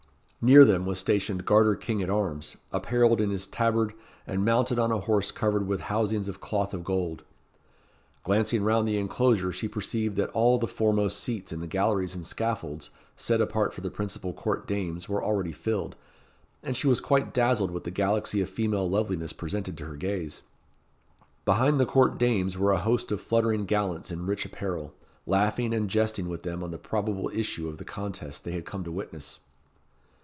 Near them was stationed Garter King at arms, apparelled in his tabard, and mounted on a horse covered with housings of cloth of gold. Glancing round the inclosure she perceived that all the foremost seats in the galleries and scaffolds set apart for the principal court dames were already filled, and she was quite dazzled with the galaxy of female loveliness presented to her gaze. Behind the court dames were a host of fluttering gallants in rich apparel, laughing and jesting with them on the probable issue of the contest they had come to witness.